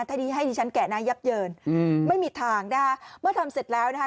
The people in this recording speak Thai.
ถ้านี้ให้ดิฉันแกะนะยับเยินอืมไม่มีทางนะคะเมื่อทำเสร็จแล้วนะคะ